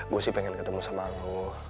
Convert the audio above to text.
gue sih pengen ketemu sama lo